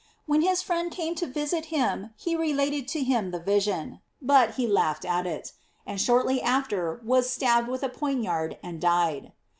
When his friend came to visit him he related to him the vision, but he laughed at it; and shortly after was stabbed with a poniard and died.